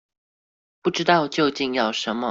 不知道究竟要什麼